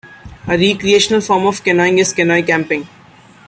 A recreational form of canoeing is canoe camping.